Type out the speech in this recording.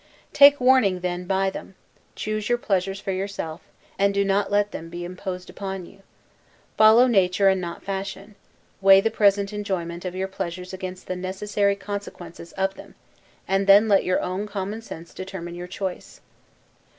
Take warning then by them: choose your pleasures for yourself, and do not let them be imposed upon you. Follow nature and not fashion: weigh the present enjoyment of your pleasures against the necessary consequences of them, and then let your own common sense determine your choice.